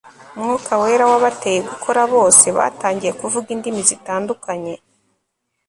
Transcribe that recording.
mwuka wera wabateye gukora Bose batangiye kuvuga indimi zitandukanye